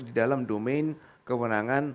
di dalam domain kewenangan